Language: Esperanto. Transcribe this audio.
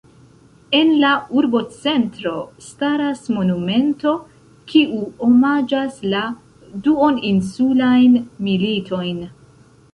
En la urbocentro staras monumento, kiu omaĝas la duoninsulajn militojn.